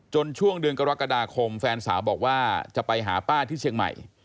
ช่วงเดือนกรกฎาคมแฟนสาวบอกว่าจะไปหาป้าที่เชียงใหม่